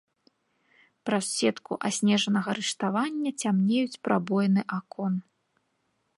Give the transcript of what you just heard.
Праз сетку аснежанага рыштавання цямнеюць прабоіны акон.